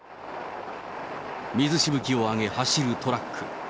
水しぶきを上げ走るトラック。